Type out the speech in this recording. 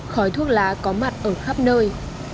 khói thuốc lá có mặt ở khắp nơi